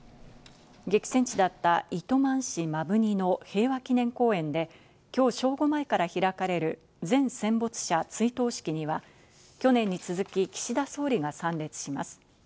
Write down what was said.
激戦地だった糸満市摩文仁の平和祈念公園で、きょう正午前から開かれる全戦没者追悼式には去年に続き岸田総理が参列します。